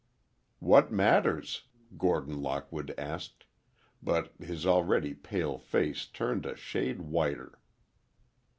"What matters?" Gordon Lockwood asked, but his already pale face turned a shade whiter.